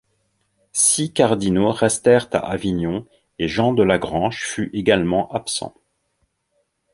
Six cardinaux restèrent à Avignon, et Jean de la Grange fut également absent.